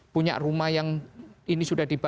punya rumah yang ini sudah dibangun